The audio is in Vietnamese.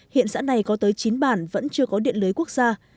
hiện xã này có tới chín bản vẫn chưa có điện lưới quốc gia